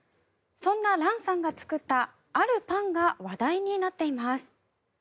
そんなＲａｎさんが作ったあるパンが話題になっています。